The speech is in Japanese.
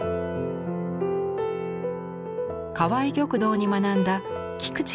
川合玉堂に学んだ菊池